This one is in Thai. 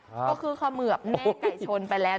ก็คือเขาเหมือบแน่ไก่ชนไปแล้ว